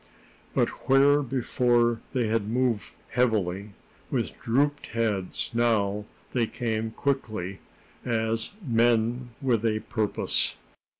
But where before they had moved heavily, with drooped heads, now they came quickly, as men with a purpose.